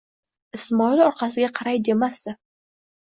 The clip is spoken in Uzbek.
Ismoil orqasiga qaray demasdi.